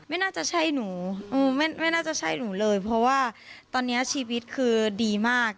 ไม่น่าจะใช่หนูไม่น่าจะใช่หนูเลยเพราะว่าตอนนี้ชีวิตคือดีมาก